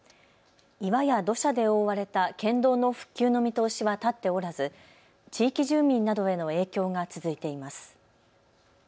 岩や土砂で覆われた県道の復旧の見通しは立っておらず地域住民などへの影響が続いています。